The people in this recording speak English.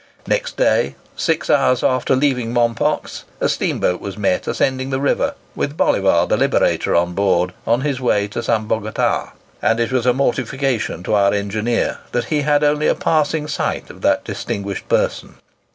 Next day, six hours after leaving Mompox, a steamboat was met ascending the river, with Bolivar the Liberator on board, on his way to St. Bogota; and it was a mortification to our engineer that he had only a passing sight of that distinguished person.